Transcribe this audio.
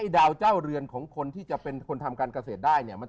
ดาวเจ้าเรือนที่จะเป็นคนทำการเกษตรได้